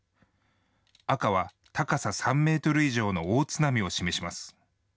赤は高さ３メートル以上の大津波を示します。